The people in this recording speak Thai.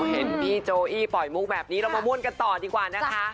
เห็นพี่โจอี้ปล่อยมุกแบบนี้เรามาม่วนกันต่อดีกว่านะคะ